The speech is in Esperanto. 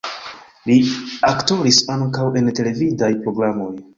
Li aktoris ankaŭ en televidaj programoj.